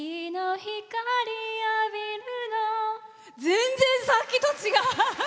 全然、さっきと違う！